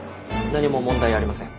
何も問題ありません。